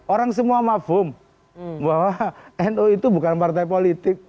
orang semua mafum bahwa nu itu bukan partai politik